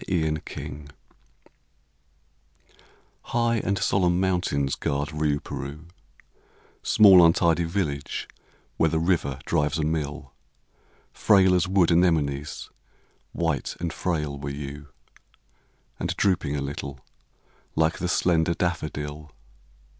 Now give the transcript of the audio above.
RIOUPEROUX High and solemn mountains guard Riouperoux, Small untidy village where the river drives a mill: Frail as wood anemones, white and frail were you, And drooping a little, like the slender daffodil.